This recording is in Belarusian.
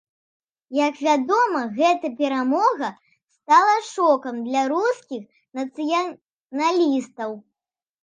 Як вядома, гэта перамога стала шокам для рускіх нацыяналістаў.